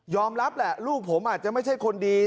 รับแหละลูกผมอาจจะไม่ใช่คนดี